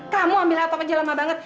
kamu ambil laptopnya lama banget